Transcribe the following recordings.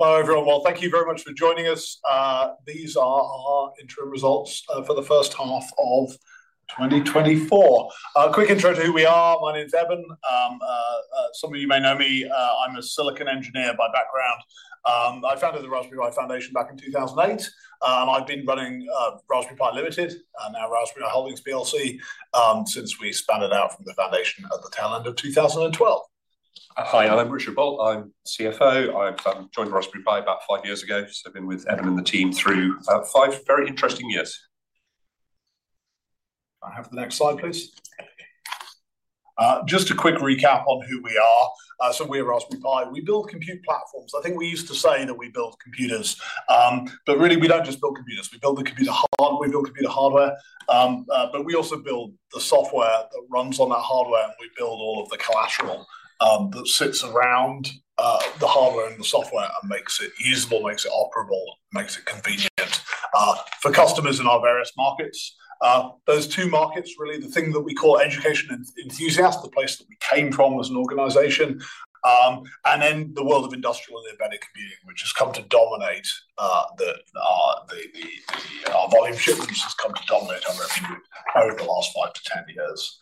Hello, everyone. Thank you very much for joining us. These are our Interim results for the H1 of 2024. A quick intro to who we are. My name is Eben. Some of you may know me. I'm a silicon engineer by background. I founded the Raspberry Pi Foundation back in 2008. I've been running Raspberry Pi Limited, and now Raspberry Pi Holdings plc, since we spun it out from the foundation at the tail end of 2012. Hi, I'm Richard Boult. I'm CFO. I joined Raspberry Pi about five years ago, so I've been with Eben and the team through five very interesting years. Can I have the next slide, please? Just a quick recap on who we are. So we are Raspberry Pi. We build compute platforms. I think we used to say that we build computers. But really, we don't just build computers, we build computer hardware, but we also build the software that runs on that hardware, and we build all of the collateral that sits around the hardware and the software and makes it usable, makes it operable, makes it convenient for customers in our various markets. Those two markets, really, the thing that we call education and enthusiasts, the place that we came from as an organization, and then the world of industrial and embedded computing, which has come to dominate our volume shipments, has come to dominate our revenue over the last five to ten years.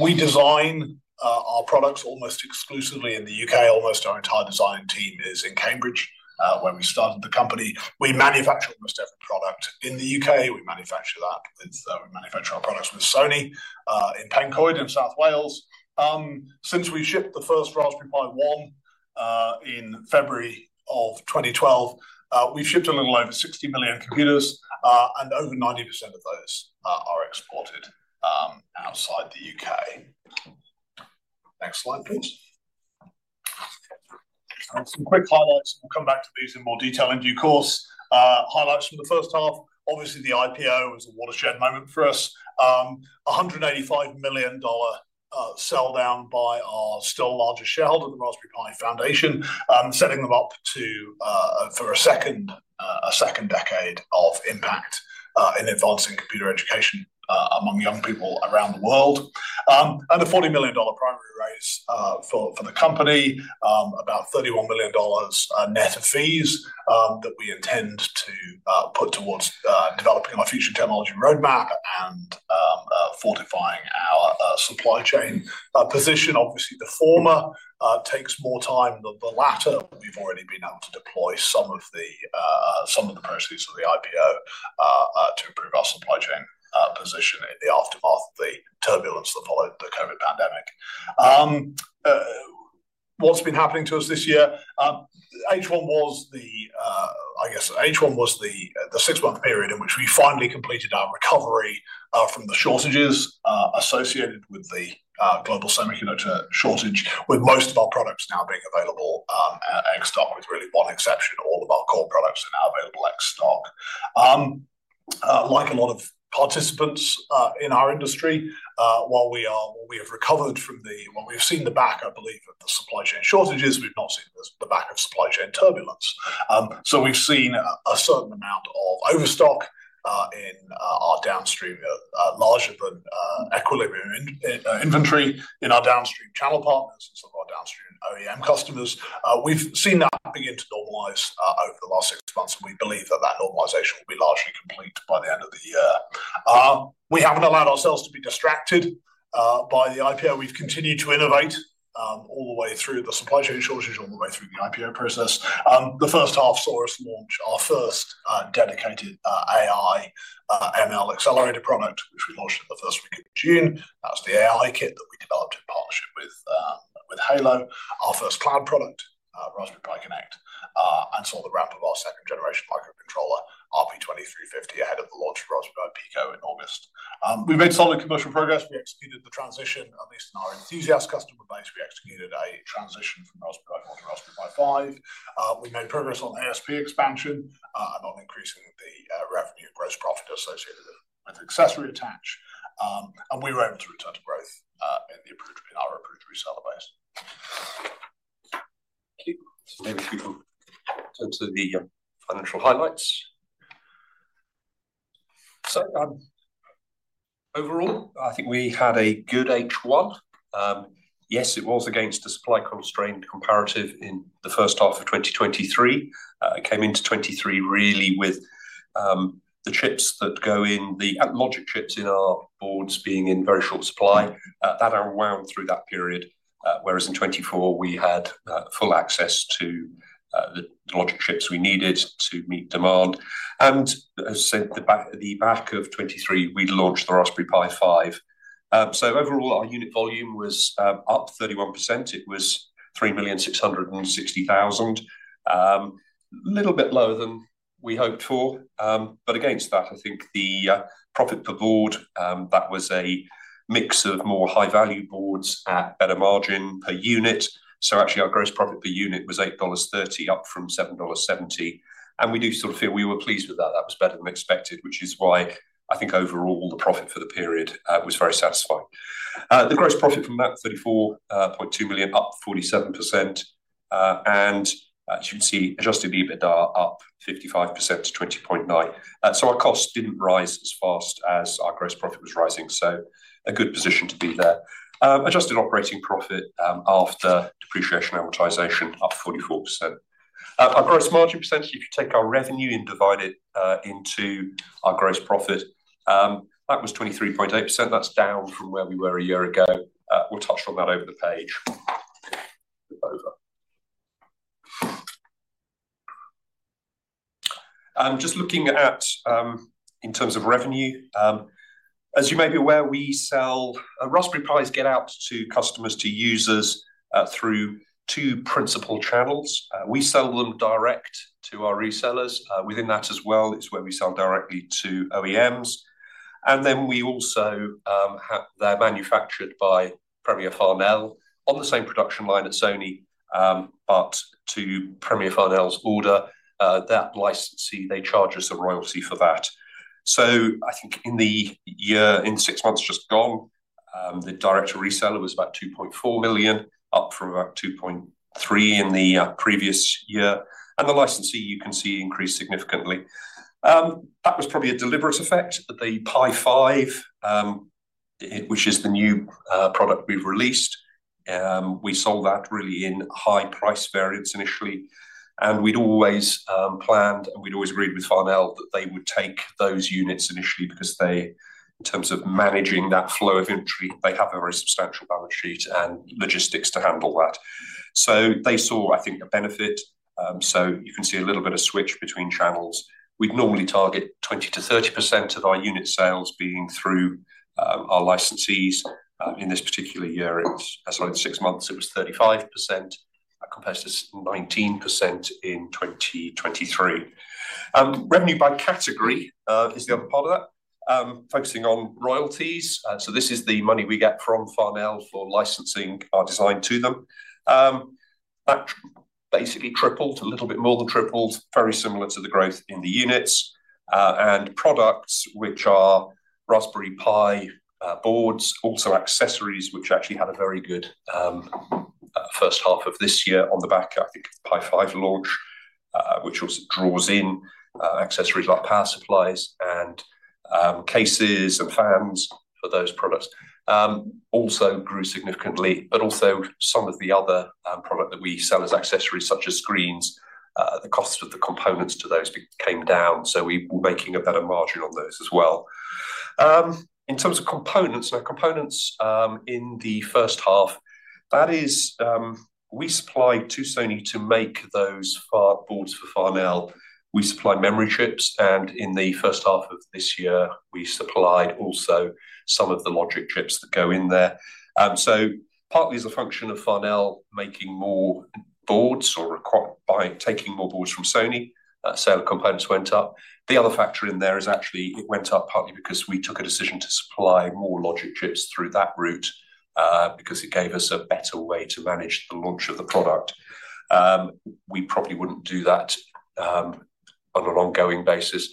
We design our products almost exclusively in the U.K. Almost our entire design team is in Cambridge, where we started the company. We manufacture almost every product in the U.K. We manufacture our products with Sony in Pencoed, in South Wales. Since we shipped the first Raspberry Pi 1 in February of 2012, we've shipped a little over sixty million computers, and over ninety percent of those are exported outside the U.K. Next slide, please. Some quick highlights. We'll come back to these in more detail in due course. Highlights from the H1. Obviously, the IPO was a watershed moment for us. A $185 million sell down by our still largest shareholder, the Raspberry Pi Foundation, setting them up for a second decade of impact in advancing computer education among young people around the world, and a GBP 40 million primary raise for the company, about GBP 31 million net of fees, that we intend to put towards developing our future technology roadmap and fortifying our supply chain position. Obviously, the former takes more time than the latter. We've already been able to deploy some of the proceeds of the IPO to improve our supply chain position in the aftermath of the turbulence that followed the COVID pandemic. What's been happening to us this year? I guess H1 was the six-month period in which we finally completed our recovery from the shortages associated with the global semiconductor shortage, with most of our products now being available ex stock, with really one exception, all of our core products are now available ex stock. Like a lot of participants in our industry, while we are, we have recovered from the, while we've seen the back, I believe, of the supply chain shortages, we've not seen the back of supply chain turbulence. So we've seen a certain amount of overstock, larger than equilibrium, in inventory in our downstream channel partners and some of our downstream OEM customers. We've seen that beginning to normalize over the last six months, and we believe that that normalization will be largely complete by the end of the year. We haven't allowed ourselves to be distracted by the IPO. We've continued to innovate all the way through the supply chain shortages, all the way through the IPO process. The H1 saw us launch our first dedicated AI ML accelerator product, which we launched in the first week of June. That's the AI Kit that we developed in partnership with Hailo, our first cloud product, Raspberry Pi Connect, and saw the ramp of our second generation microcontroller, RP2350, ahead of the launch of Raspberry Pi Pico in August. We've made solid commercial progress. We executed the transition, at least in our enthusiast customer base. We executed a transition from Raspberry Pi 4-Raspberry Pi 5. We made progress on ASP expansion, and on increasing revenue and gross profit associated with accessory attach, and we were able to return to growth in our approved reseller base. Thank you. Maybe if you go to the financial highlights. So, overall, I think we had a good H1. Yes, it was against a supply-constrained comparative in the H1 of 2023. It came into 2023 really with the chips that go in, the logic chips in our boards being in very short supply that ran through that period. Whereas in 2024, we had full access to the logic chips we needed to meet demand. And as I said, the back of 2023, we launched the Raspberry Pi 5. So overall, our unit volume was up 31%. It was 3.66 million. A little bit lower than we hoped for, but against that, I think the profit per board that was a mix of more high-value boards at better margin per unit. So actually, our gross profit per unit was GBP 8.30, up from GBP 7.70, and we do sort of feel we were pleased with that. That was better than expected, which is why I think overall, the profit for the period was very satisfying. The gross profit from that, 34.2 million, up 47%, and as you can see, adjusted EBITDA up 55% to 20.9 million. So our costs didn't rise as fast as our gross profit was rising, so a good position to be there. Adjusted operating profit after depreciation, amortization up 44%. Our gross margin percentage, if you take our revenue and divide it into our gross profit, that was 23.8%. That's down from where we were a year ago. We'll touch on that over the page. Over. Just looking at, in terms of revenue, as you may be aware, we sell Raspberry Pis get out to customers, to users through two principal channels. We sell them direct to our resellers. Within that as well, it's where we sell directly to OEMs, and then we also have-- they're manufactured by Premier Farnell on the same production line at Sony, but to Premier Farnell's order, that licensee, they charge us a royalty for that. So I think in the year, in six months just gone, the direct to reseller was about 2.4 million, up from about 2.3 million in the previous year, and the licensee, you can see, increased significantly. That was probably a deliberate effect. The Pi 5, it, which is the new product we've released, we sold that really in high price variants initially, and we'd always planned, and we'd always agreed with Farnell that they would take those units initially because they, in terms of managing that flow of inventory, they have a very substantial balance sheet and logistics to handle that. So they saw, I think, a benefit. So you can see a little bit of switch between channels. We'd normally target 20%-30% of our unit sales being through our licensees. In this particular year, it's, as well as six months, it was 35% compared to 19% in 2023. Revenue by category is the other part of that. Focusing on royalties, so this is the money we get from Farnell for licensing our design to them. That basically tripled, a little bit more than tripled, very similar to the growth in the units. And products, which are Raspberry Pi boards, also accessories, which actually had a very good H1 of this year on the back, I think, Pi 5 launch, which also draws in accessories like power supplies and cases and fans for those products, also grew significantly. But also some of the other product that we sell as accessories, such as screens, the cost of the components to those came down, so we were making a better margin on those as well. In terms of components, now, components, in the H1, that is, we supplied to Sony to make those Pi boards for Farnell. We supplied memory chips, and in the H1 of this year, we supplied also some of the logic chips that go in there. So partly as a function of Farnell making more boards or by taking more boards from Sony, sale of components went up. The other factor in there is actually it went up partly because we took a decision to supply more logic chips through that route, because it gave us a better way to manage the launch of the product. We probably wouldn't do that, on an ongoing basis.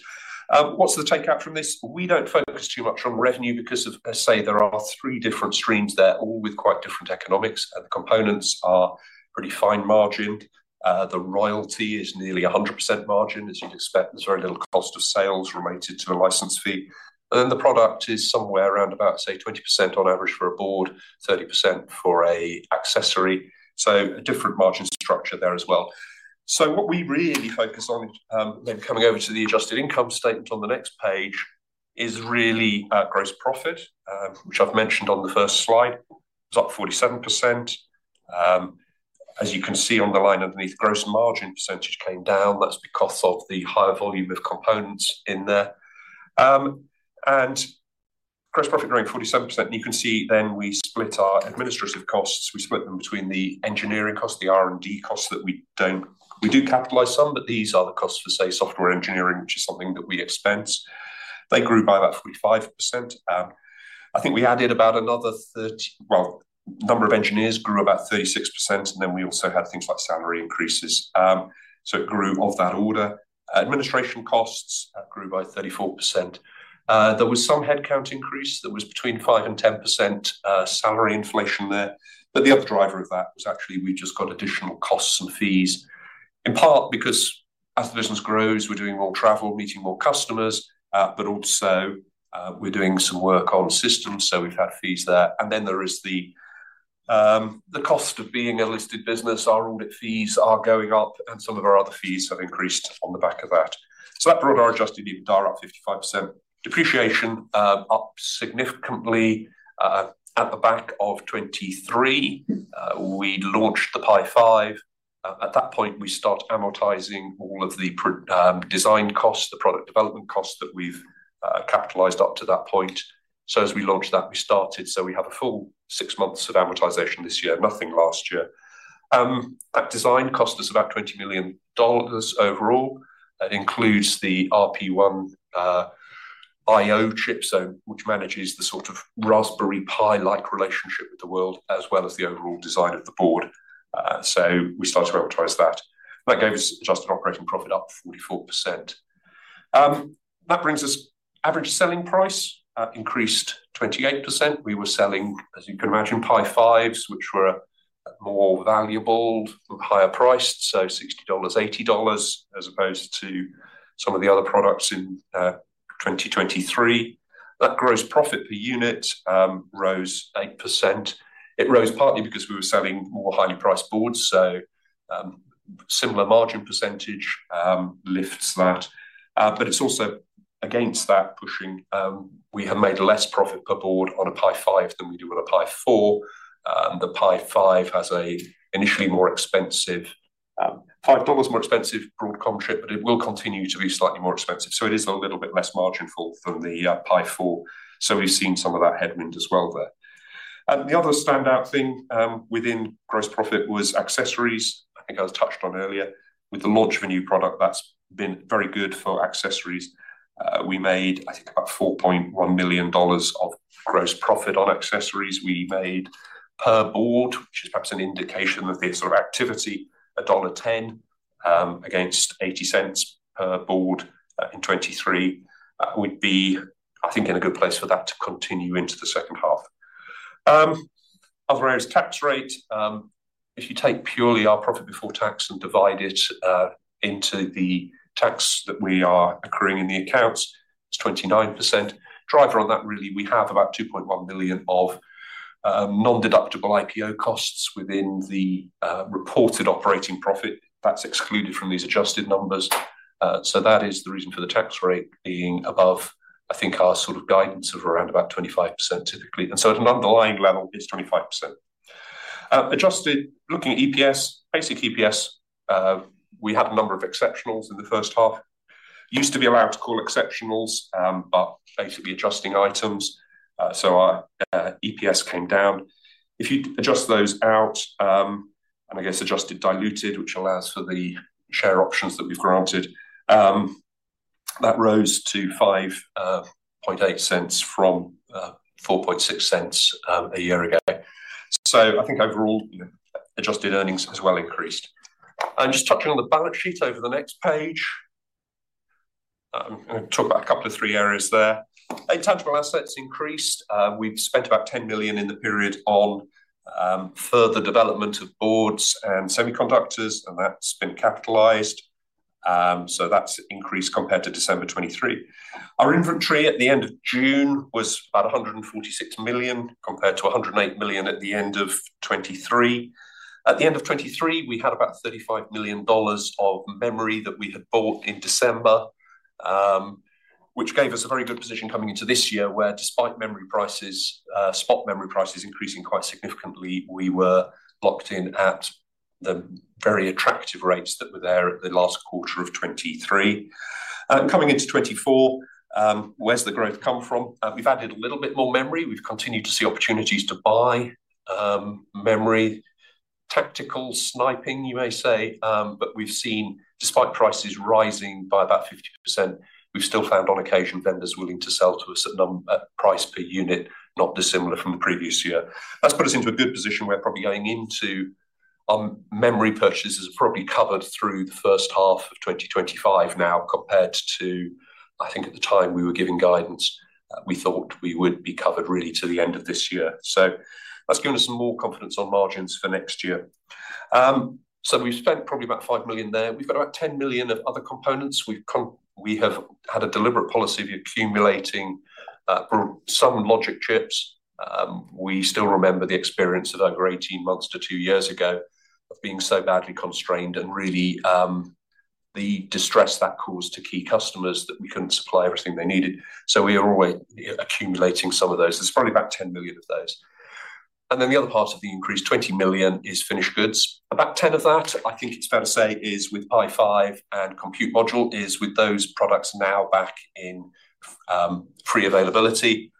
What's the takeout from this? We don't focus too much on revenue because of, let's say, there are three different streams there, all with quite different economics, and the components are pretty fine margined. The royalty is nearly 100% margin, as you'd expect. There's very little cost of sales related to a license fee. And then the product is somewhere around about, say, 20% on average for a board, 30% for a accessory, so a different margin structure there as well. So what we really focus on, then coming over to the adjusted income statement on the next page, is really gross profit, which I've mentioned on the first slide. It's up 47%. As you can see on the line underneath, gross margin percentage came down. That's because of the higher volume of components in there, and gross profit growing 47%, you can see then we split our administrative costs. We split them between the engineering costs, the R&D costs that we don't. We do capitalize some, but these are the costs for, say, software engineering, which is something that we expense. They grew by about 35%. Well, number of engineers grew about 36%, and then we also had things like salary increases, so it grew of that order. Administration costs grew by 34%. There was some headcount increase. There was between 5% and 10% salary inflation there, but the other driver of that was actually we just got additional costs and fees, in part because as the business grows, we're doing more travel, meeting more customers, but also, we're doing some work on systems, so we've had fees there, and then there is the cost of being a listed business. Our audit fees are going up, and some of our other fees have increased on the back of that, so that brought our adjusted EBITDA up 55%. Depreciation up significantly at the back of 2023. We launched the Pi 5. At that point, we start amortizing all of the design costs, the product development costs that we've capitalized up to that point. So as we launched that, we started, so we had a full six months of amortization this year, nothing last year. That design cost us about GBP 20 million overall. That includes the RP1 I/O chip, so, which manages the sort of Raspberry Pi-like relationship with the world, as well as the overall design of the board. So we started to amortize that. That gave us adjusted operating profit up 44%. That brings us average selling price increased 28%. We were selling, as you can imagine, Pi 5s, which were more valuable, higher priced, so $60, $80, as opposed to some of the other products in 2023, that gross profit per unit rose 8%. It rose partly because we were selling more highly priced boards, so similar margin percentage lifts that. But it's also against that pushing, we have made less profit per board on a Pi 5 than we do on a Pi 4. The Pi 5 has a initially more expensive $5 more expensive Broadcom chip, but it will continue to be slightly more expensive. So it is a little bit less marginful than the Pi 4. So we've seen some of that headwind as well there. The other standout thing within gross profit was accessories. I think I was touched on earlier. With the launch of a new product, that's been very good for accessories. We made, I think, about $4.1 million of gross profit on accessories. We made per board, which is perhaps an indication of the sort of activity, GBP 1.10, against 0.8 per board, in 2023. That would be, I think, in a good place for that to continue into the H2. Other areas, tax rate, if you take purely our profit before tax and divide it, into the tax that we are accruing in the accounts, it's 29%. Driver on that, really, we have about 2.1 million of, non-deductible IPO costs within the, reported operating profit that's excluded from these adjusted numbers. So that is the reason for the tax rate being above, I think, our sort of guidance of around about 25%, typically. And so at an underlying level, it's 25%. Adjusted, looking at EPS, basic EPS, we had a number of exceptionals in the H1. Used to be allowed to call exceptionals, but basically adjusting items, so our EPS came down. If you adjust those out, and I guess adjusted diluted, which allows for the share options that we've granted, that rose to 0.058 from 0.046 a year ago. So I think overall, you know, adjusted earnings as well increased. I'm just touching on the balance sheet over the next page. I'm gonna talk about a couple of three areas there. Intangible assets increased. We've spent about 10 million in the period on further development of boards and semiconductors, and that's been capitalized. So that's increased compared to December 2023. Our inventory at the end of June was about 146 million, compared to 108 million at the end of 2023. At the end of 2023, we had about GBP 35 million of memory that we had bought in December, which gave us a very good position coming into this year, where despite memory prices, spot memory prices increasing quite significantly, we were locked in at the very attractive rates that were there at the last quarter of 2023. Coming into 2024, where's the growth come from? We've added a little bit more memory. We've continued to see opportunities to buy memory, tactical sniping, you may say, but we've seen, despite prices rising by about 50%, we've still found on occasion vendors willing to sell to us at a price per unit not dissimilar from the previous year. That's put us into a good position where probably going into memory purchases are probably covered through the H1 of 2025 now, compared to, I think at the time we were giving guidance, we thought we would be covered really till the end of this year, so that's given us some more confidence on margins for next year, so we've spent probably about 5 million there. We've got about 10 million of other components. We have had a deliberate policy of accumulating some logic chips. We still remember the experience of over 18 months to 2 years ago, of being so badly constrained and really, the distress that caused to key customers that we couldn't supply everything they needed. So we are always accumulating some of those. There's probably about 10 million of those. And then the other part of the increase, 20 million, is finished goods. About 10 of that, I think it's fair to say, is with Pi 5 and Compute Module, is with those products now back in free availability.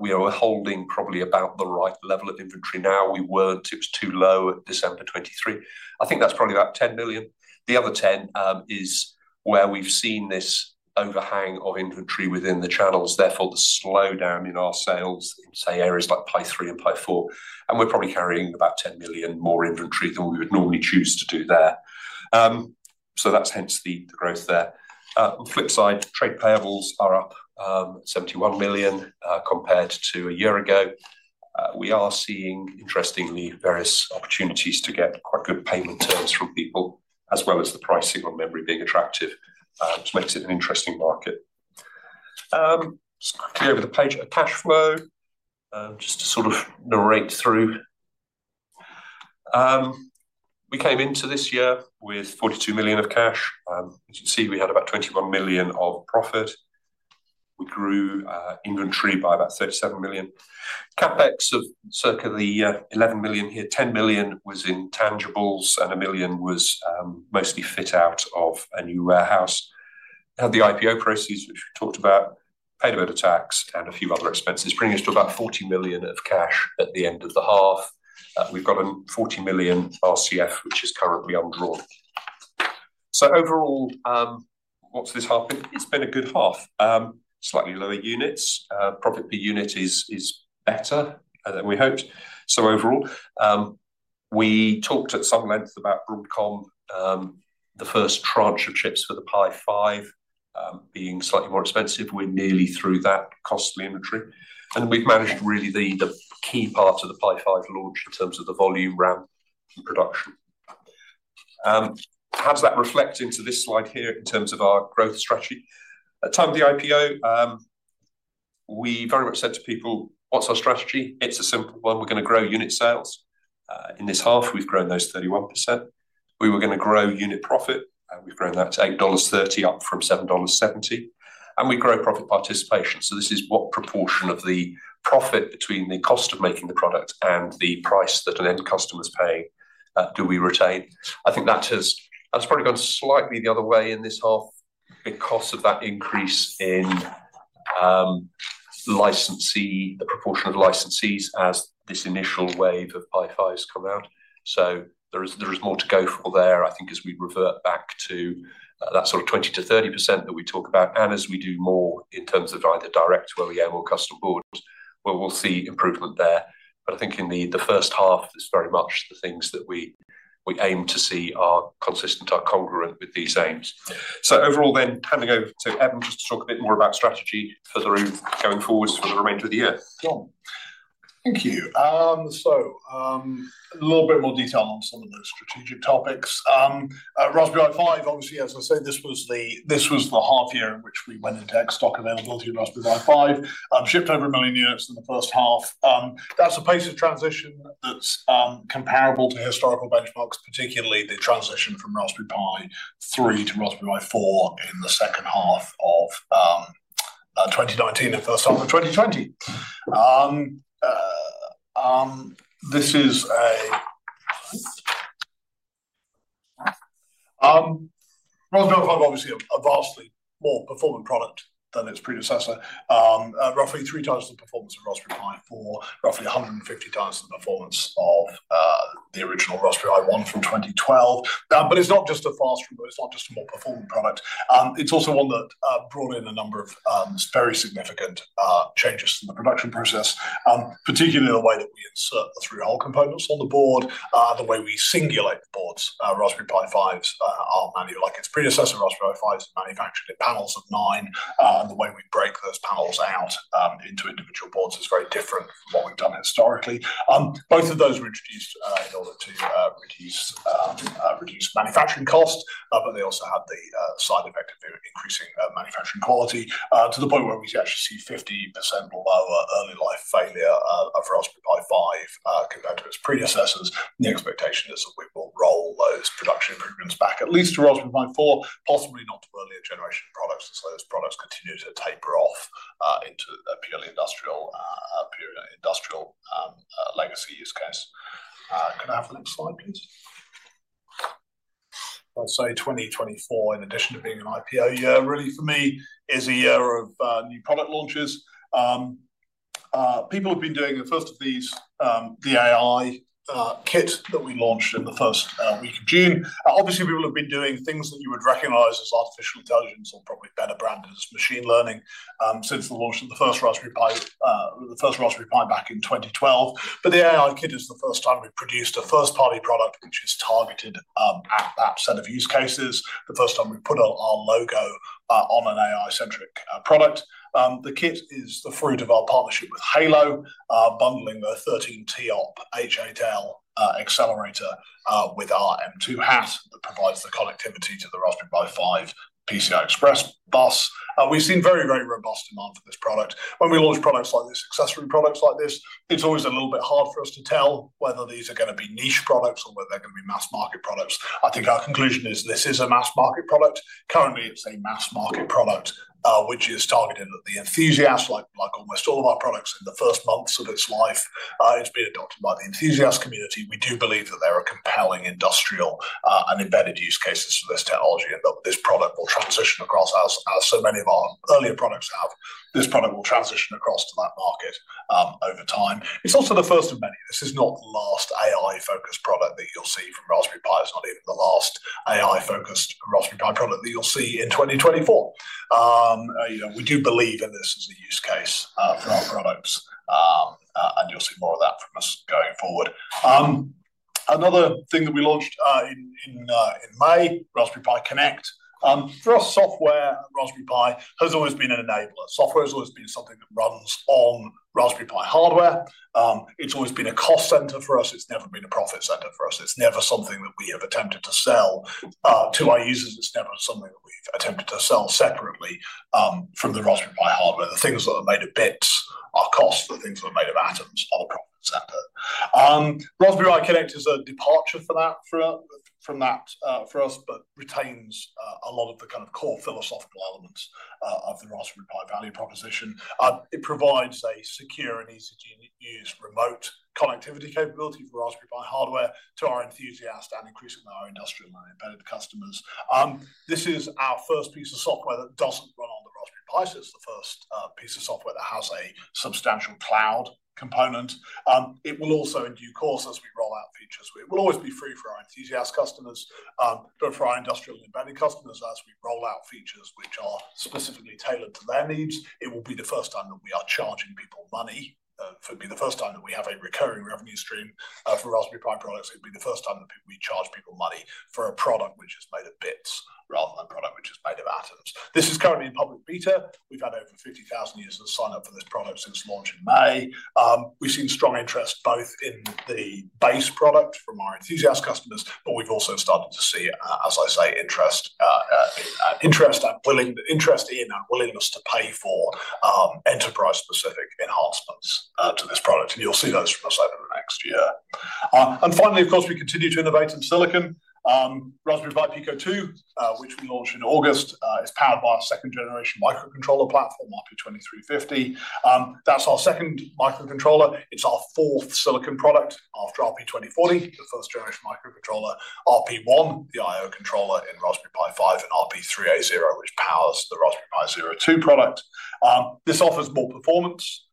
We are holding probably about the right level of inventory now. We weren't, it was too low at December 2023. I think that's probably about 10 million. The other ten is where we've seen this overhang of inventory within the channels, therefore, the slowdown in our sales in, say, areas like Pi 3 and Pi 4, and we're probably carrying about 10 million more inventory than we would normally choose to do there. So that's hence the growth there. On the flip side, trade payables are up 71 million, compared to a year ago. We are seeing, interestingly, various opportunities to get quite good payment terms from people, as well as the pricing on memory being attractive, which makes it an interesting market. Just quickly over the page, cash flow, just to sort of narrate through. We came into this year with 42 million of cash. As you can see, we had about 21 million of profit. We grew inventory by about 37 million. CapEx of circa 11 million here, 10 million was intangibles, and 1 million was mostly fit out of a new warehouse. Had the IPO proceeds, which we talked about, paid a bit of tax and a few other expenses, bringing us to about 40 million of cash at the end of the half. We've got a 40 million RCF, which is currently undrawn. So overall, what's this half been? It's been a good half. Slightly lower units, profit per unit is better than we hoped. So overall, we talked at some length about Broadcom, the first tranche of chips for the Pi 5, being slightly more expensive. We're nearly through that costly inventory, and we've managed really the key part of the Pi 5 launch in terms of the volume ramp and production. How does that reflect into this slide here in terms of our growth strategy? At the time of the IPO, we very much said to people, "What's our strategy?" It's a simple one. We're gonna grow unit sales. In this half, we've grown those 31%. We were gonna grow unit profit, and we've grown that to $8.30, up from $7.70, and we grow profit participation. So this is what proportion of the profit between the cost of making the product and the price that an end customer's paying, do we retain? I think that's probably gone slightly the other way in this half because of that increase in, licensee, the proportion of licensees as this initial wave of Pi 5s come out. There is more to go for there, I think, as we revert back to that sort of 20%-30% that we talk about, and as we do more in terms of either direct where we are or custom boards, where we'll see improvement there. But I think in the H1, it's very much the things that we aim to see are consistent, are congruent with these aims. Overall then, handing over to Eben just to talk a bit more about strategy for the road going forwards for the remainder of the year. Sure. Thank you, so a little bit more detail on some of those strategic topics. Raspberry Pi 5, obviously, as I said, this was the half year in which we went into stock availability of Raspberry Pi 5, shipped over a million units in the H1. That's a pace of transition that's comparable to historical benchmarks, particularly the transition from Raspberry Pi 3 to Raspberry Pi 4 in the H2 of 2019 and H1 of 2020. Raspberry Pi 5, obviously, a vastly more performant product than its predecessor. Roughly three times the performance of Raspberry Pi 4, roughly a hundred and fifty times the performance of the original Raspberry Pi 1 from 2012. But it's not just a faster, it's not just a more performant product, it's also one that brought in a number of very significant changes in the production process, particularly in the way that we insert the through-hole components on the board, the way we singulate the boards. Raspberry Pi 5s are manual. Like its predecessor, Raspberry Pi 5 is manufactured in panels of nine, and the way we break those panels out into individual boards is very different from what we've done historically. Both of those were introduced in order to reduce manufacturing costs, but they also had the side effect of increasing manufacturing quality to the point where we actually see 50% or lower early life failure for Raspberry Pi 5 compared to its predecessors. The expectation is that we will roll those production improvements back, at least to Raspberry Pi 4, possibly not to earlier generation products, as those products continue to taper off into a purely industrial legacy use case. Can I have the next slide, please? I'd say 2024, in addition to being an IPO year, really for me, is a year of new product launches. People have been doing the first of these, the AI Kit that we launched in the first week of June. Obviously, people have been doing things that you would recognize as artificial intelligence, or probably better branded as machine learning, since the launch of the first Raspberry Pi, the first Raspberry Pi back in 2012, but the AI Kit is the first time we've produced a first-party product, which is targeted at that set of use cases, the first time we've put our logo on an AI-centric product. The kit is the fruit of our partnership with Hailo, bundling the 13 TOPS Hailo-8L accelerator with our M.2 HAT+ that provides the connectivity to the Raspberry Pi 5 PCI Express bus. We've seen very, very robust demand for this product. When we launch products like this, accessory products like this, it's always a little bit hard for us to tell whether these are gonna be niche products or whether they're gonna be mass-market products. I think our conclusion is this is a mass-market product. Currently, it's a mass-market product, which is targeted at the enthusiasts, like almost all of our products in the first months of its life. It's been adopted by the enthusiast community. We do believe that there are compelling industrial and embedded use cases for this technology, and that this product will transition across as so many of our earlier products have. This product will transition across to that market over time. It's also the first of many. This is not the last AI-focused product that you'll see from Raspberry Pi. It's not even the last AI-focused Raspberry Pi product that you'll see in 2024. You know, we do believe in this as a use case for our products, and you'll see more of that from us going forward. Another thing that we launched in May, Raspberry Pi Connect. For us, software, Raspberry Pi has always been an enabler. Software has always been something that runs on Raspberry Pi hardware. It's always been a cost center for us. It's never been a profit center for us. It's never something that we have attempted to sell to our users. It's never something that we've attempted to sell separately from the Raspberry Pi hardware. The things that are made of bits are cost. The things that are made of atoms are profit center. Raspberry Pi Connect is a departure from that for us, but retains a lot of the kind of core philosophical elements of the Raspberry Pi value proposition. It provides a secure and easy to use remote connectivity capability for Raspberry Pi hardware to our enthusiasts and increasingly our industrial and embedded customers. This is our first piece of software that doesn't run on the Raspberry Pi. It's the first piece of software that has a substantial cloud component. It will also, in due course, as we roll out features, it will always be free for our enthusiast customers, but for our industrial and embedded customers, as we roll out features which are specifically tailored to their needs, it will be the first time that we are charging people money. It will be the first time that we have a recurring revenue stream for Raspberry Pi products. It'll be the first time that we charge people money for a product. This is currently in public beta. We've had over 50,000 users sign up for this product since launch in May. We've seen strong interest both in the base product from our enthusiast customers, but we've also started to see, as I say, interest in and willingness to pay for enterprise-specific enhancements to this product, and you'll see those from us over the next year. And finally, of course, we continue to innovate in silicon. Raspberry Pi Pico 2, which we launched in August, is powered by our second generation microcontroller platform, RP2350. That's our second microcontroller. It's our fourth silicon product after RP2040, the first generation microcontroller, RP1, the I/O controller in Raspberry Pi 5, and RP3A0, which powers the Raspberry Pi Zero 2 product. This offers more performance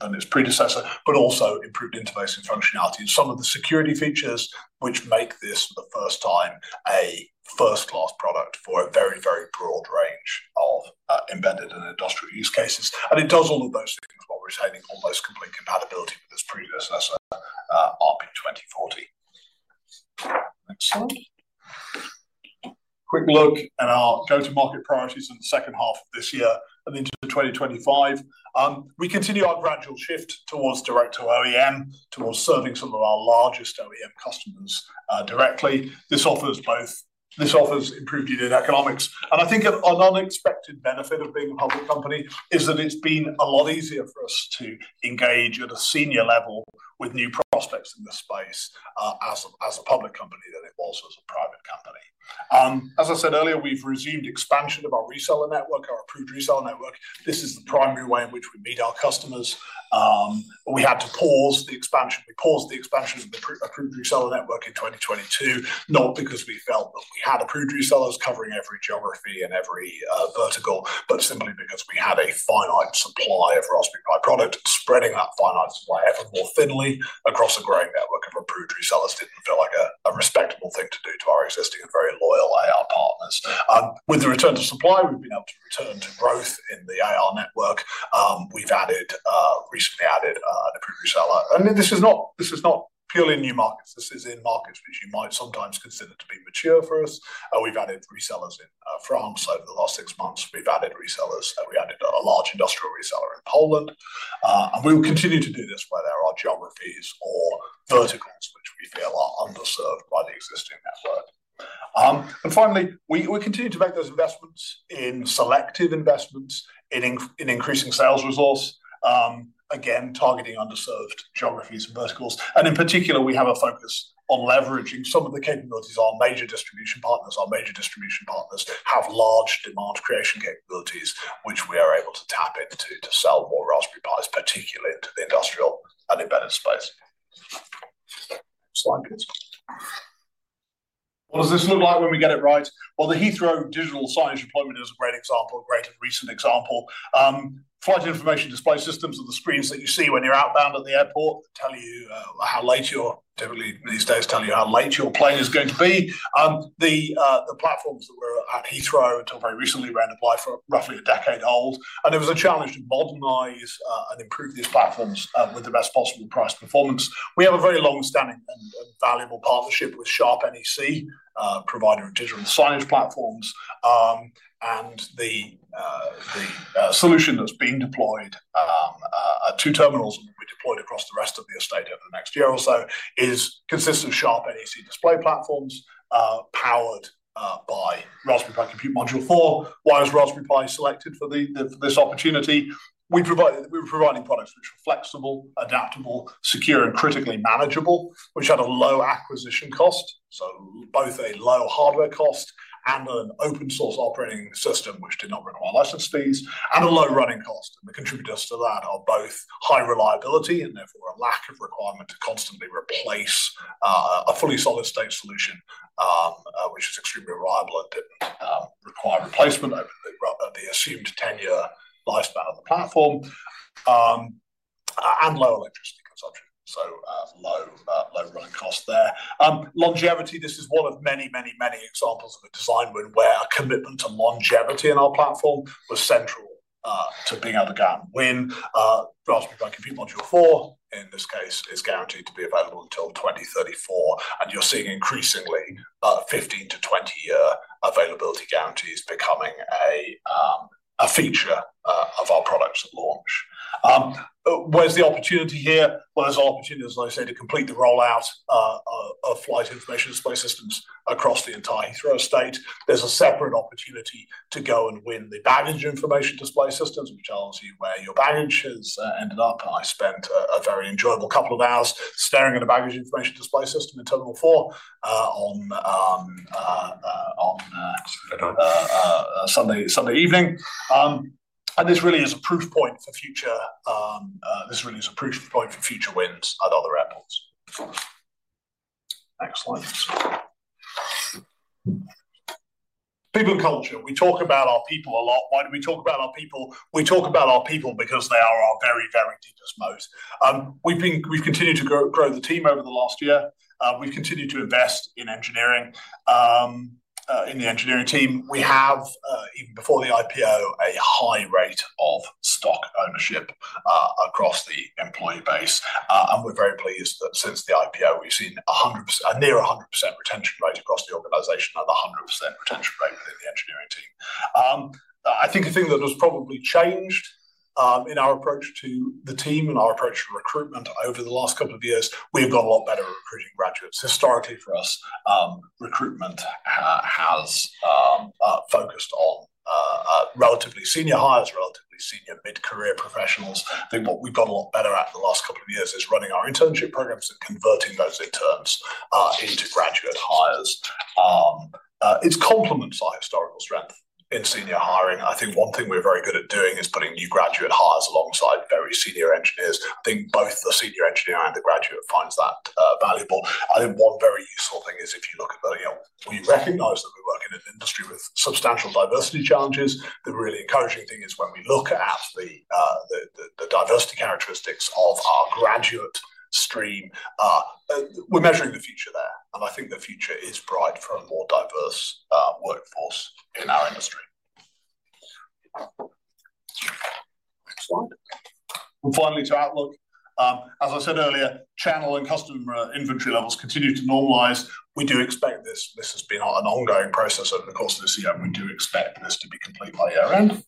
than its predecessor, but also improved interfacing functionality and some of the security features, which make this the first time a first-class product for a very, very broad range of embedded and industrial use cases, and it does all of those things while retaining almost complete compatibility with its predecessor, RP2040. Next slide. Quick look at our go-to-market priorities in the H2 of this year and into 2025. We continue our gradual shift towards direct to OEM, towards serving some of our largest OEM customers, directly. This offers improved unit economics, and I think an unexpected benefit of being a public company is that it's been a lot easier for us to engage at a senior level with new prospects in this space, as a public company than it was as a private company. As I said earlier, we've resumed expansion of our reseller network, our approved reseller network. This is the primary way in which we meet our customers. We had to pause the expansion. We paused the expansion of the approved reseller network in 2022, not because we felt that we had approved resellers covering every geography and every vertical, but simply because we had a finite supply of Raspberry Pi product. Spreading that finite supply ever more thinly across a growing network of approved resellers didn't feel like a respectable thing to do to our existing and very loyal AR partners. With the return to supply, we've been able to return to growth in the AR network. We've recently added an approved reseller, and this is not, this is not purely new markets. This is in markets which you might sometimes consider to be mature for us. We've added resellers in France over the last six months. We've added resellers, we added a large industrial reseller in Poland, and we will continue to do this where there are geographies or verticals which we feel are underserved by the existing network. And finally, we continue to make those investments in selective investments in increasing sales resource, again, targeting underserved geographies and verticals. And in particular, we have a focus on leveraging some of the capabilities of our major distribution partners. Our major distribution partners have large demand creation capabilities, which we are able to tap into to sell more Raspberry Pis, particularly into the industrial and embedded space. Next slide, please. What does this look like when we get it right? Well, the Heathrow digital signage deployment is a great example, a great recent example. Flight information display systems are the screens that you see when you're outbound at the airport, typically, these days, tell you how late your plane is going to be. The platforms that were at Heathrow until very recently ran on a platform that was roughly a decade old, and it was a challenge to modernize and improve these platforms with the best possible price performance. We have a very long-standing and valuable partnership with Sharp NEC, provider of digital signage platforms. And the solution that's been deployed at two terminals, will be deployed across the rest of the estate over the next year or so, is consisting of Sharp NEC display platforms, powered by Raspberry Pi Compute Module 4. Why was Raspberry Pi selected for this opportunity? We were providing products which were flexible, adaptable, secure, and critically manageable, which had a low acquisition cost, so both a low hardware cost and an open source operating system, which did not run on our license fees, and a low running cost. The contributors to that are both high reliability and therefore a lack of requirement to constantly replace a fully solid-state solution, which is extremely reliable and didn't require replacement over the assumed 10-year lifespan of the platform, and low electricity consumption, so low running cost there. Longevity, this is one of many, many, many examples of a design win, where our commitment to longevity on our platform was central to being able to get a win. Raspberry Pi Compute Module 4, in this case, is guaranteed to be available until 2034, and you're seeing increasingly 15-20-year availability guarantees becoming a feature of our products at launch. Where's the opportunity here? There's an opportunity, as I said, to complete the rollout of flight information display systems across the entire Heathrow estate. There's a separate opportunity to go and win the baggage information display systems, which tells you where your baggage has ended up. I spent a very enjoyable couple of hours staring at a baggage information display system in terminal four, on Sunday evening. And this really is a proof point for future wins at other airports. Next slide. People and culture. We talk about our people a lot. Why do we talk about our people? We talk about our people because they are our very, very deepest most. We've continued to grow the team over the last year. We've continued to invest in engineering, in the engineering team. We have, even before the IPO, a high rate of stock ownership, across the employee base. And we're very pleased that since the IPO, we've seen a near 100% retention rate across the organization and 100% retention rate within the engineering team. I think the thing that has probably changed. In our approach to the team and our approach to recruitment over the last couple of years, we've got a lot better at recruiting graduates. Historically, for us, recruitment has focused on relatively senior hires, relatively senior mid-career professionals. I think what we've got a lot better at in the last couple of years is running our internship programs and converting those interns into graduate hires. It complements our historical strength in senior hiring. I think one thing we're very good at doing is putting new graduate hires alongside very senior engineers. I think both the senior engineer and the graduate finds that valuable. I think one very useful thing is if you look at the, you know, we recognize that we work in an industry with substantial diversity challenges. The really encouraging thing is when we look at the diversity characteristics of our graduate stream, we're measuring the future there, and I think the future is bright for a more diverse workforce in our industry. Next one. Finally to outlook. As I said earlier, channel and customer inventory levels continue to normalize. We do expect this. This has been an ongoing process over the course of this year, and we do expect this to be complete by year-end.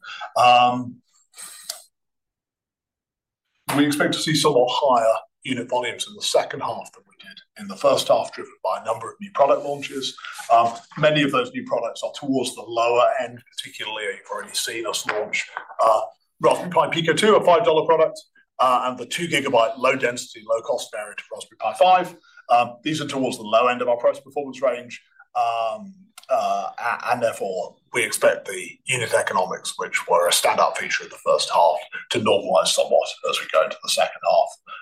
We expect to see somewhat higher unit volumes in the H2 than we did in the H1, driven by a number of new product launches. Many of those new products are towards the lower end, particularly. You've already seen us launch Raspberry Pi Pico 2, a $5 product, and the two gigabyte, low density, low cost variant, Raspberry Pi 5. These are towards the low end of our price performance range, and therefore, we expect the unit economics, which were a standout feature of the H1, to normalize somewhat as we go into the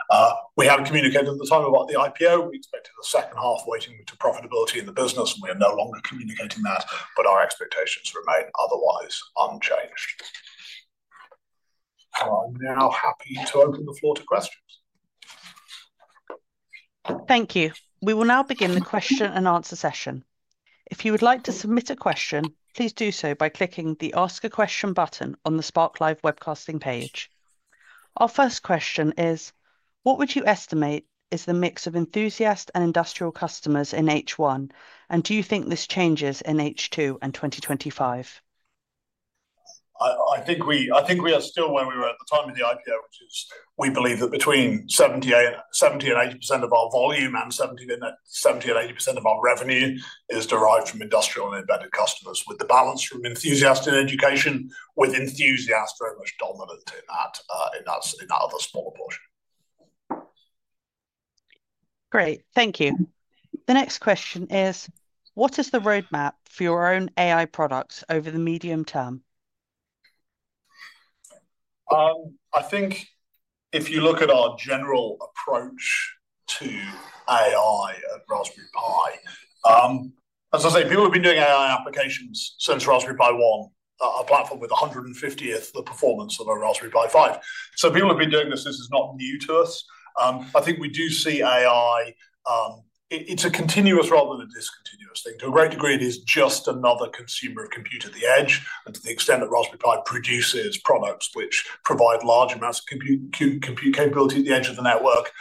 H2. We haven't communicated at the time about the IPO. We expected the H2 weighting to profitability in the business, and we are no longer communicating that, but our expectations remain otherwise unchanged. I'm now happy to open the floor to questions. Thank you. We will now begin the question and answer session. If you would like to submit a question, please do so by clicking the Ask a Question button on the Spark Live Webcasting page. Our first question is: What would you estimate is the mix of enthusiast and industrial customers in H1, and do you think this changes in H2 and 2025? I think we are still where we were at the time of the IPO, which is we believe that between 70% and 80% of our volume, and 70% and 80% of our revenue is derived from industrial and embedded customers, with the balance from enthusiast and education, with enthusiasts very much dominant in that other small portion. Great. Thank you. The next question is, what is the roadmap for your own AI products over the medium term? I think if you look at our general approach to AI at Raspberry Pi, as I say, people have been doing AI applications since Raspberry Pi 1, a platform with one hundred and fiftieth the performance of a Raspberry Pi 5. So people have been doing this, this is not new to us. I think we do see AI, it's a continuous rather than a discontinuous thing. To a great degree, it is just another consumer of compute at the edge, and to the extent that Raspberry Pi produces products which provide large amounts of compute, compute capability at the edge of the network,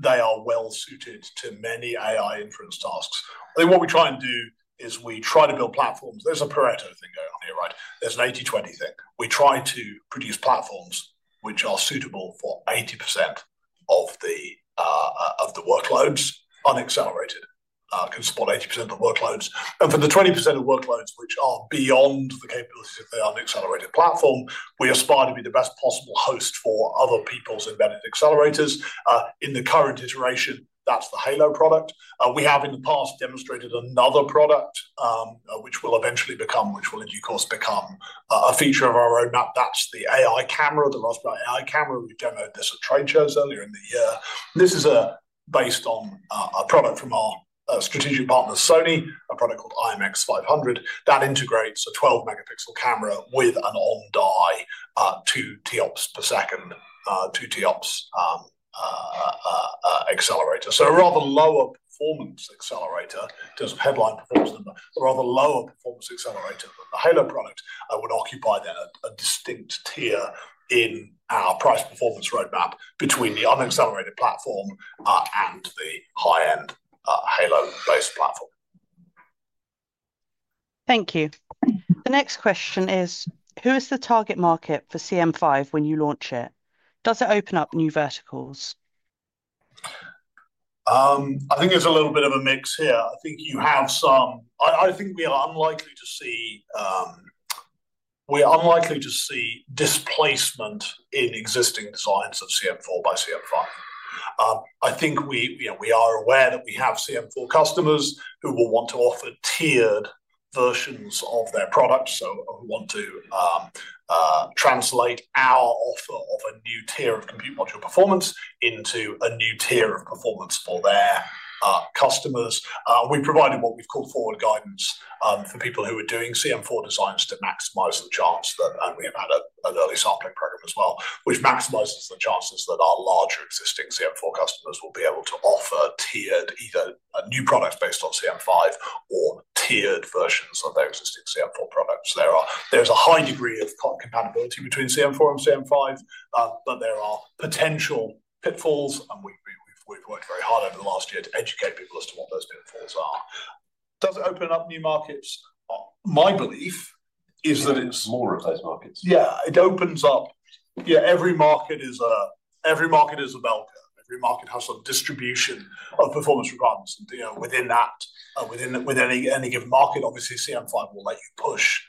they are well suited to many AI inference tasks. I think what we try and do is we try to build platforms. There's a Pareto thing going on here, right? There's an 80/20 thing. We try to produce platforms which are suitable for 80% of the workloads, unaccelerated, can support 80% of the workloads. And for the 20% of workloads which are beyond the capabilities of the unaccelerated platform, we aspire to be the best possible host for other people's embedded accelerators. In the current iteration, that's the Hailo product. We have in the past demonstrated another product, which will in due course become a feature of our roadmap. That's the AI Camera, the Raspberry AI Camera. We demoed this at trade shows earlier in the year. This is based on a product from our strategic partner, Sony, a product called IMX500, that integrates a 12-megapixel camera with an on-die 2 TOPS per second, 2 TOPS accelerator. A rather lower performance accelerator in terms of headline performance, a rather lower performance accelerator than the Hailo product, would occupy then a distinct tier in our price performance roadmap between the unaccelerated platform and the high-end Hailo-based platform. Thank you. The next question is, who is the target market for CM 5 when you launch it? Does it open up new verticals? I think there's a little bit of a mix here. I think we are unlikely to see displacement in existing designs of CM 4 by CM 5. I think we, you know, we are aware that we have CM 4 customers who will want to offer tiered versions of their products, so who want to translate our offer of a new tier of compute module performance into a new tier of performance for their customers. We provided what we've called forward guidance for people who are doing CM 4 designs to maximize the chance that, and we have had an early sampling program as well, which maximizes the chances that our larger existing CM 4 customers will be able to offer tiered, either, new products based on CM 5 or tiered versions of their existing CM 4 products. There's a high degree of compatibility between CM 4 and CM 5, but there are potential pitfalls, and we've worked very hard over the last year to educate people as to what those benefits are. Does it open up new markets? My belief is that it's- More of those markets. Yeah, it opens up. Yeah, every market is a bell curve. Every market has a distribution of performance requirements, and, you know, within that, within any given market, obviously, CM 5 will let you push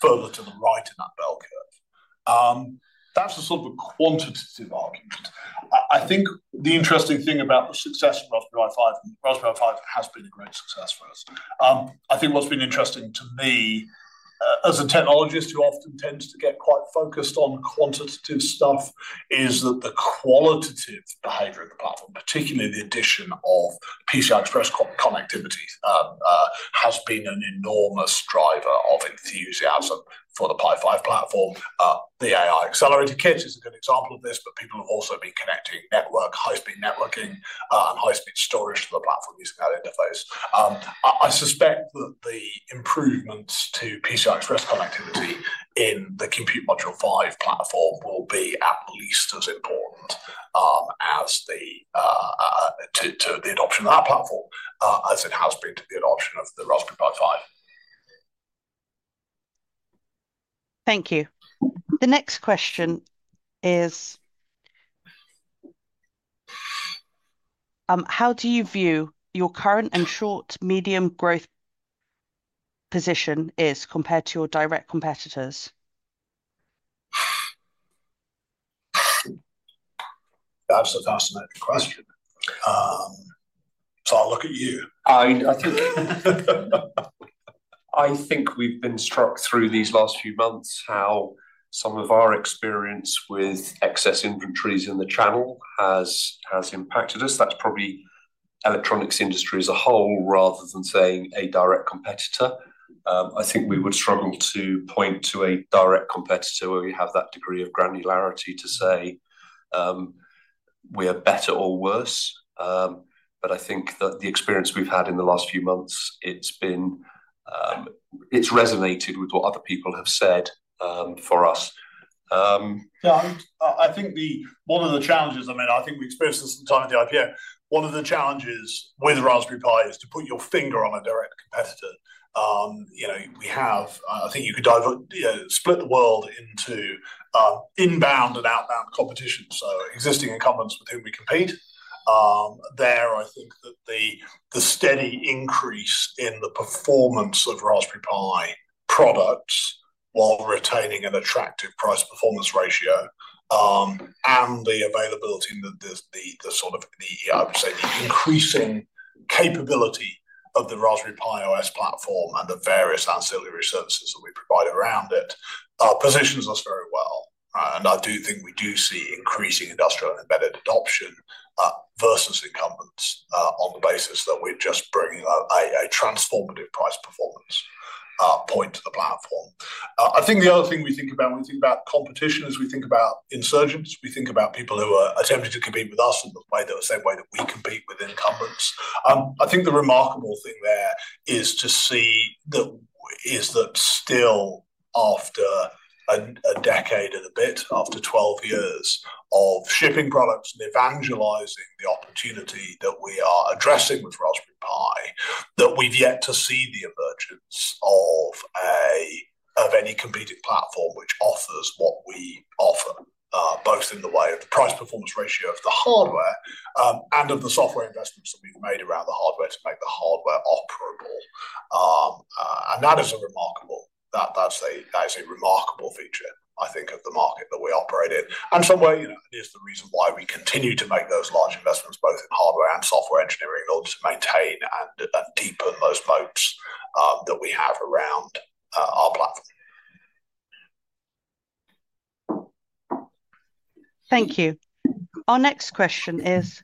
further to the right in that bell curve. That's a sort of a quantitative argument. I think the interesting thing about the success of Raspberry Pi 5, and Raspberry Pi 5 has been a great success for us. I think what's been interesting to me, as a technologist who often tends to get quite focused on quantitative stuff, is that the qualitative behavior of the platform, particularly the addition of PCI Express connectivity, has been an enormous driver of enthusiasm for the Pi 5 platform. The AI accelerated kits is a good example of this, but people have also been connecting network, high-speed networking, and high-speed storage to the platform using that interface. I suspect that the improvements to PCI Express connectivity in the Compute Module 5 platform will be at least as important as the to the adoption of that platform as it has been to the adoption of the Raspberry Pi 5. Thank you. The next question is: how do you view your current and short-medium growth position is compared to your direct competitors? That's a fascinating question. So I'll look at you. I think we've been struck through these last few months how some of our experience with excess inventories in the channel has impacted us. That's probably the electronics industry as a whole, rather than saying a direct competitor. I think we would struggle to point to a direct competitor where we have that degree of granularity to say we are better or worse. But I think that the experience we've had in the last few months, it's resonated with what other people have said for us. Yeah, I think one of the challenges, I mean, I think we experienced this at the time of the IPO, one of the challenges with Raspberry Pi is to put your finger on a direct competitor. You know, we have... I think you could divide, you know, split the world into inbound and outbound competition, so existing incumbents with whom we compete. I think that the steady increase in the performance of Raspberry Pi products while retaining an attractive price-performance ratio and the availability, the sort of, I would say, the increasing capability of the Raspberry Pi OS platform and the various ancillary services that we provide around it positions us very well. And I do think we do see increasing industrial and embedded adoption versus incumbents on the basis that we're just bringing a transformative price-performance point to the platform. I think the other thing we think about when we think about competition is we think about insurgents. We think about people who are attempting to compete with us in the way, the same way that we compete with incumbents. I think the remarkable thing there is to see that is that still, after a decade and a bit, after 12 years of shipping products and evangelizing the opportunity that we are addressing with Raspberry Pi, that we've yet to see the emergence of any competing platform which offers what we offer, both in the way of the price-performance ratio of the hardware, and of the software investments that we've made around the hardware to make the hardware operable. That is a remarkable feature, I think, of the market that we operate in. In some way, you know, it is the reason why we continue to make those large investments, both in hardware and software engineering, in order to maintain and deepen those moats that we have around our platform. Thank you. Our next question is: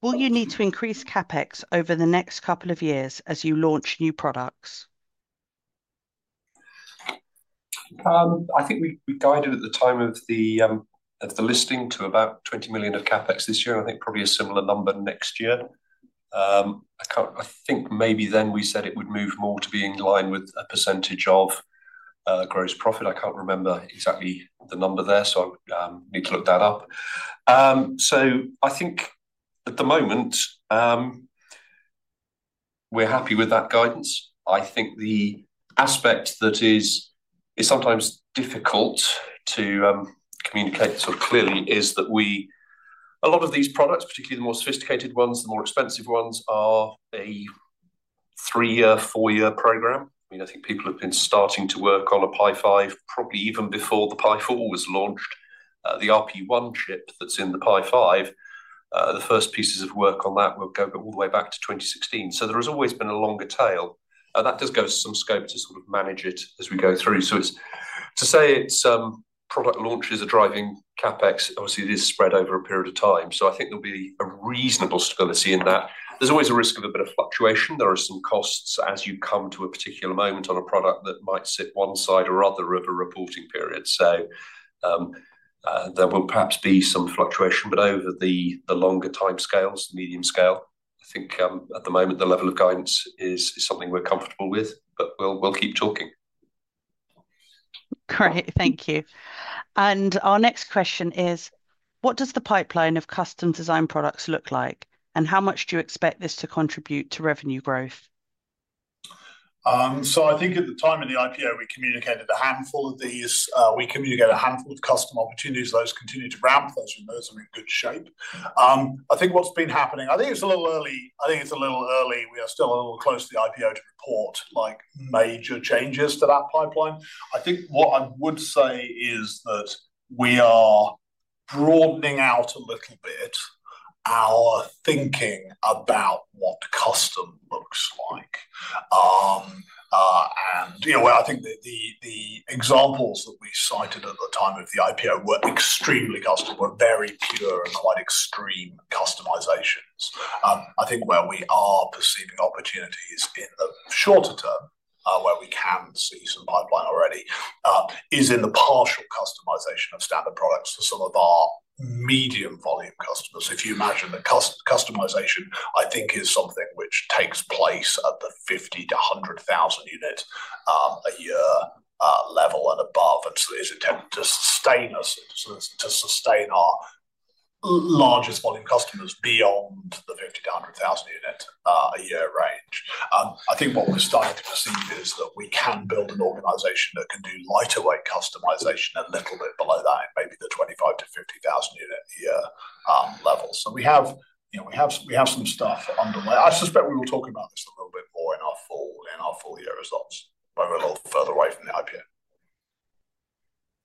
Will you need to increase CapEx over the next couple of years as you launch new products? I think we guided at the time of the listing to about 20 million of CapEx this year, and I think probably a similar number next year. I can't, I think maybe then we said it would move more to be in line with a percentage of gross profit. I can't remember exactly the number there, so I'll need to look that up. So I think at the moment, we're happy with that guidance. I think the aspect that is sometimes difficult to communicate sort of clearly is that we... A lot of these products, particularly the more sophisticated ones, the more expensive ones, are a three-year, four-year program. I mean, I think people have been starting to work on a Pi 5, probably even before the Pi 4 was launched. The RP1 chip that's in the Pi 5, the first pieces of work on that will go all the way back to 2016. So there has always been a longer tail, and that does go to some scope to sort of manage it as we go through. So, to say it's product launches are driving CapEx, obviously, it is spread over a period of time, so I think there'll be a reasonable stability in that. There's always a risk of a bit of fluctuation. There are some costs as you come to a particular moment on a product that might sit one side or other of a reporting period. So, there will perhaps be some fluctuation, but over the longer timescales, the medium scale, I think, at the moment, the level of guidance is something we're comfortable with, but we'll keep talking. Great, thank you. And our next question is: what does the pipeline of custom design products look like, and how much do you expect this to contribute to revenue growth? So I think at the time of the IPO, we communicated a handful of custom opportunities. Those continue to ramp, those are in good shape. I think what's been happening, I think it's a little early, we are still a little close to the IPO to report, like, major changes to that pipeline. I think what I would say is that we are broadening out a little bit our thinking about what custom looks like. And, you know, I think that the examples that we cited at the time of the IPO were extremely custom, were very pure and quite extreme customizations. I think where we are perceiving opportunities in the shorter term, where we can see some pipeline already, is in the partial customization of standard products for some of our medium volume customers. If you imagine that customization, I think, is something which takes place at the 50-100 thousand unit a year level and above, and so is intended to sustain us, to sustain our largest volume customers beyond the 50-100 thousand unit a year range. I think what we're starting to perceive is that we can build an organization that can do lighter weight customization a little bit below that, in maybe the 25-50 thousand unit a year levels. So we have, you know, some stuff underway. I suspect we will talk about this a little bit more in our full year results, when we're a little further away from the IPO.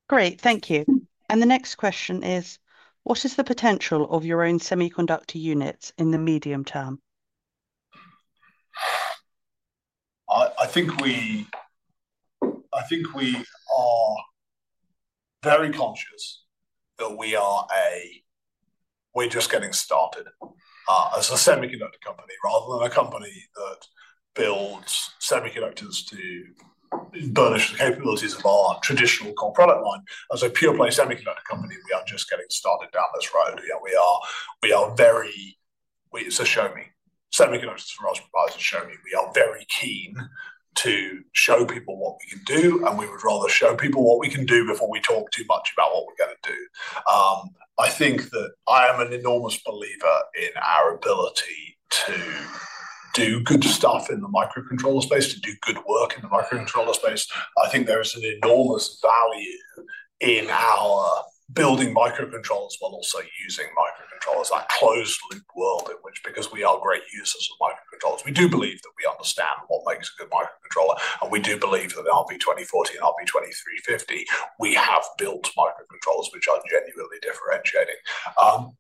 Great, thank you. And the next question is: what is the potential of your own semiconductor units in the medium term? I think we are very conscious that we are a... We're just getting started as a semiconductor company, rather than a company that builds semiconductors to burnish the capabilities of our traditional core product line. As a pure-play semiconductor company, we are just getting started down this road. You know, it's a show me. Semiconductors from us provides a show me. We are very keen to show people what we can do, and we would rather show people what we can do before we talk too much about what we're gonna do. I think that I am an enormous believer in our ability to do good stuff in the microcontroller space, to do good work in the microcontroller space. I think there is an enormous value in our building microcontrollers, while also using microcontrollers. That closed-loop world in which, because we are great users of microcontrollers, we do believe that we understand what makes a good microcontroller, and we do believe that the RP2040 and RP2350, we have built microcontrollers which are genuinely differentiating.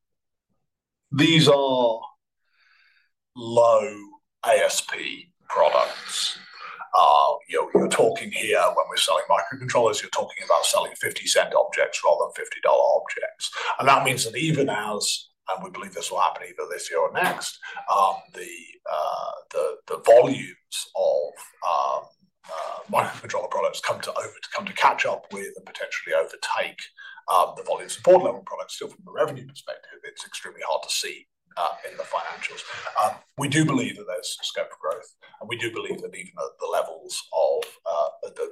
These are low ASP products. You're talking here, when we're selling microcontrollers, you're talking about selling $0.50 objects rather than $50 objects. And that means that even as, and we believe this will happen either this year or next, the volumes of microcontroller products come to catch up with and potentially overtake the volumes of board-level products. Still, from a revenue perspective, it's extremely hard to see in the financials. We do believe that there's scope for growth, and we do believe that even at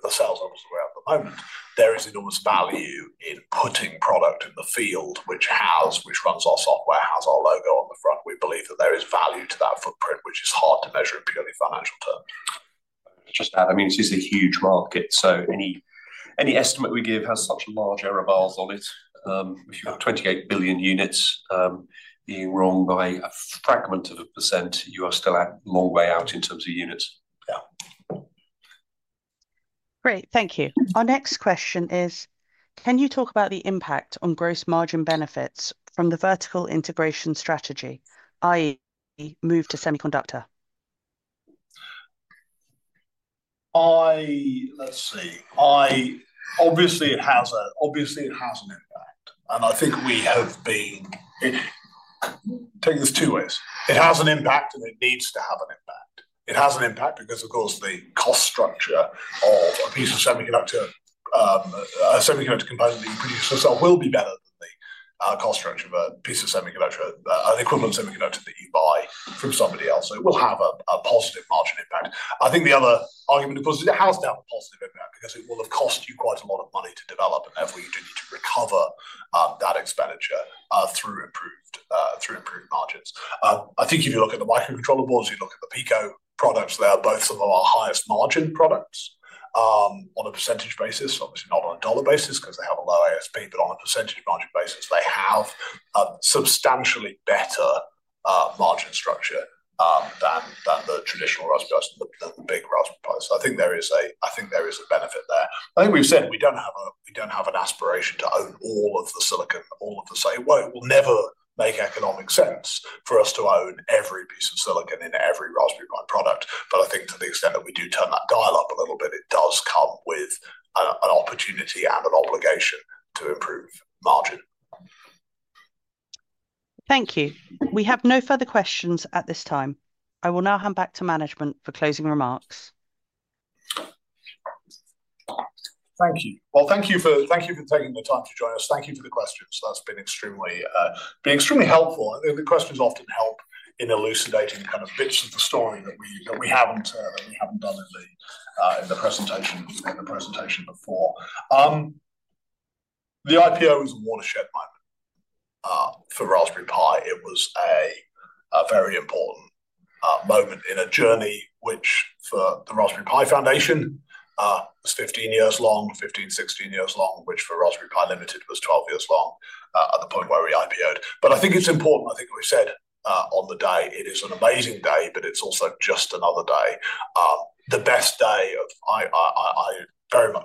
the sales levels we're at the moment, there is enormous value in putting product in the field, which runs our software, has our logo on the front. We believe that there is value to that footprint, which is hard to measure in purely financial terms. Just to add, I mean, this is a huge market, so any estimate we give has such a large error bars on it. If you have 28 billion units, being wrong by a fragment of a %, you are still a long way out in terms of units. Yeah. Great, thank you. Our next question is: Can you talk about the impact on gross margin benefits from the vertical integration strategy, i.e., move to semiconductor? Let's see. Obviously, it has an impact, obviously it has an impact, and I think we take this two ways. It has an impact, and it needs to have an impact. It has an impact because, of course, the cost structure of a piece of semiconductor, a semiconductor component that you produce yourself will be better than the cost structure of a piece of semiconductor, an equivalent semiconductor that you buy from somebody else. So it will have a positive margin impact. I think the other argument, of course, is it has to have a positive impact, because it will have cost you quite a lot of money to develop, and therefore you do need to recover that expenditure through improved margins. I think if you look at the microcontroller boards, you look at the Pico products, they are both some of our highest margin products on a percentage basis. Obviously not on a dollar basis, 'cause they have a low ASP, but on a percentage margin basis, they have a substantially better margin structure than the traditional Raspberry, the big Raspberry Pi. So I think there is a benefit there. I think we've said we don't have an aspiration to own all of the silicon. Well, it will never make economic sense for us to own every piece of silicon in every Raspberry Pi product. But I think to the extent that we do turn that dial up a little bit, it does come with an opportunity and an obligation to improve margin. Thank you. We have no further questions at this time. I will now hand back to management for closing remarks. Thank you. Well, thank you for taking the time to join us. Thank you for the questions. That's been extremely helpful, and the questions often help in elucidating kind of bits of the story that we haven't done in the presentation before. The IPO is a watershed moment for Raspberry Pi. It was a very important moment in a journey, which for the Raspberry Pi Foundation was fifteen years long, fifteen, sixteen years long, which for Raspberry Pi Limited was twelve years long at the point where we IPO'd. But I think it's important. I think we said on the day, it is an amazing day, but it's also just another day. The best day of... We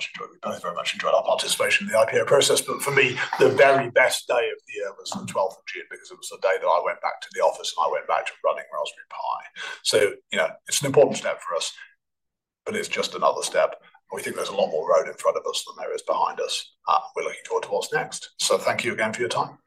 both very much enjoyed our participation in the IPO process, but for me, the very best day of the year was the twelfth of June, because it was the day that I went back to the office, and I went back to running Raspberry Pi, so you know, it's an important step for us, but it's just another step, and we think there's a lot more road in front of us than there is behind us. We're looking forward to what's next, so thank you again for your time.